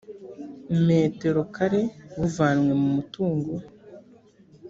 metero kare buvanywe mu mutungo